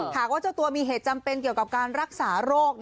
ถ้าว่าเจ้าตัวมีเหตุจำเป็นกับการรักษาโรค